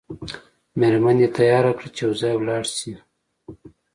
میرمن دې تیاره کړه چې یو ځای ولاړ شئ.